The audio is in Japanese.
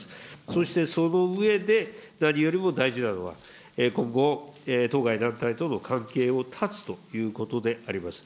そしてその上で、何よりも大事なのは、今後、当該団体との関係を断つということであります。